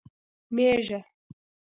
🐑 مېږه